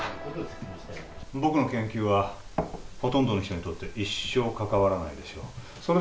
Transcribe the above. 僕の研究はほとんどの人にとって一生関わらないでしょう。